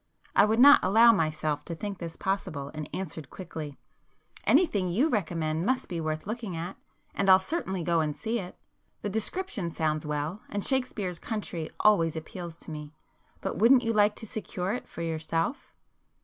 I would not allow myself to think this possible, and answered quickly,— "Anything you recommend must be worth looking at, and I'll certainly go and see it. The description sounds well, and Shakespeare's country always appeals to me. But wouldn't you like to secure it for yourself?"